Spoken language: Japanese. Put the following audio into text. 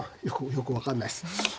よく分かんないです。